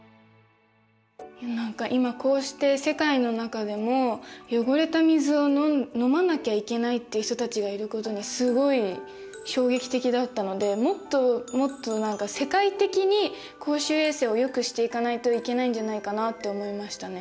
何か今こうして世界の中でも汚れた水を飲まなきゃいけないって人たちがいることにすごい衝撃的だったのでもっともっと世界的に公衆衛生をよくしていかないといけないんじゃないかなって思いましたね。